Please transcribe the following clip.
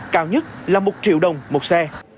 cao nhất là một triệu đồng một xe